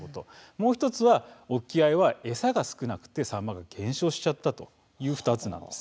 もう１つが沖合は餌が少ないのでサンマが減少してしまったという２つです。